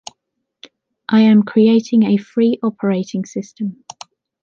I am creating a free operating system.